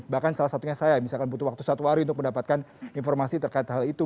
bahkan salah satunya saya misalkan butuh waktu satu hari untuk mendapatkan informasi terkait hal itu